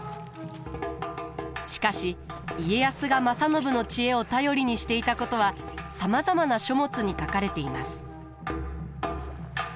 しかし家康が正信の知恵を頼りにしていたことはさまざまな書物に書かれています。